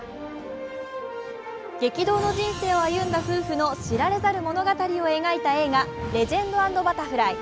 激動の人生を歩んだ夫婦の知られざる物語を描いた「レジェンド＆バタフライ」。